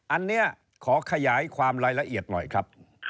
อันนี้ขอขยายความรายละเอียดหน่อยครับ